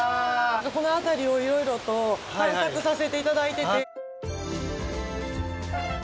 この辺りをいろいろと散策させていただいてて。